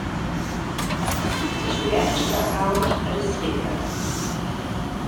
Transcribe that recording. It was the act of a hound and a stinker.